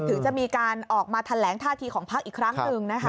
ถึงจะมีการออกมาแถลงท่าทีของพักอีกครั้งหนึ่งนะคะ